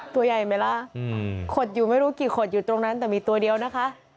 ตัวใหญ่ไหมล่ะขดอยู่ไม่รู้กี่ขดอยู่ตรงนั้นแต่มีตัวเดียวนะคะ